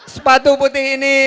sepatu putih ini